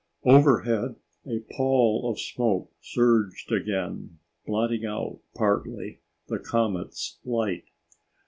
Overhead, a pall of smoke surged again, blotting out, partly, the comet's light.